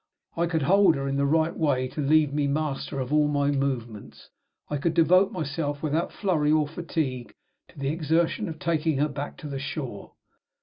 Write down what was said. I could hold her in the right way to leave me master of all my movements; I could devote myself, without flurry or fatigue, to the exertion of taking her back to the shore.